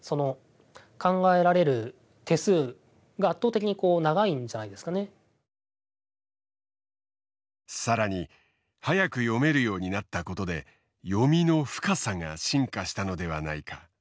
恐らくこう本当に更に速く読めるようになったことで読みの深さが進化したのではないか。